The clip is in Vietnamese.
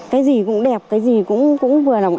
cái gì cũng đẹp cái gì cũng vừa lòng